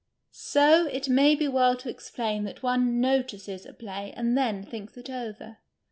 So it may be well to explain that one " notices " a play and then thinks it over.